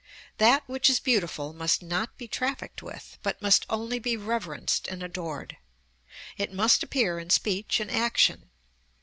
That which is beautiful must not be trafficked with, but must only be reverenced and adored. It must appear in speech and action.